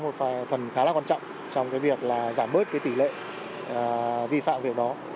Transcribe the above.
nó sẽ đóng một phần khá là quan trọng trong cái việc là giảm bớt cái tỷ lệ vi phạm việc đó